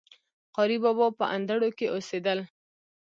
قاري بابا په اندړو کي اوسيدل